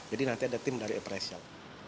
jadi nanti ada tim dari appraisal